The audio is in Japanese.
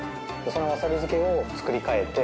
そのわさび漬けを作り替えて。